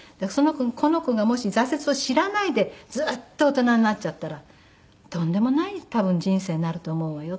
「この子がもし挫折を知らないでずっと大人になっちゃったらとんでもない多分人生になると思うわよ」